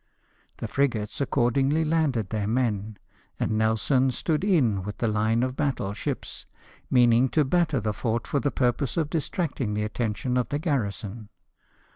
The frigates accordingly landed their men, and Nelson stood in with the line of battle ships, meaning to batter the fort for the purpose of dis tracting the attention of the garrison.